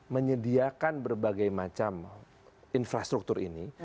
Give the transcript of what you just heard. menyediakan berbagai macam infrastruktur ini